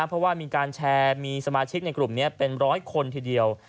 เพราะว่ามีการแชร์มีสมาชิกในกลุ่มนี้เป็นร้อยคนทีเดียว